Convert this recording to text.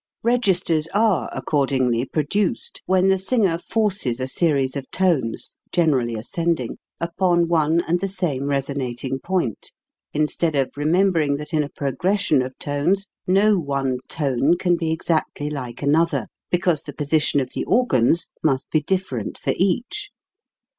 Registers are, ac cordingly, produced when the singer forces a series of tones, generally ascending, upon one and the same resonating point, instead of remembering that in a progression of tones no one tone can be exactly like another, be cause the position of the organs must be dif ferent for each.